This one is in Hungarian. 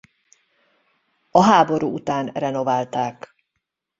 A háború után renoválták.